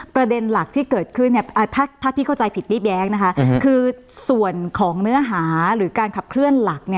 ประเด็นหลักที่เกิดขึ้นถ้าพี่เข้าใจผิดรีบแย้งนะคะคือส่วนของเนื้อหาหรือการขับเคลื่อนหลัก